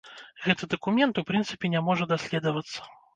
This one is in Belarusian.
Гэты дакумент, у прынцыпе, не можа даследавацца.